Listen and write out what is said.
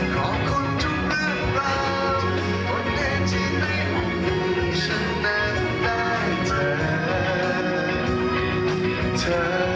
ขอบคุณทุกเรื่องราวคนแทนที่ได้คุณให้ฉันแน่นได้เธอ